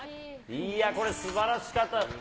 いや、これすばらしかった。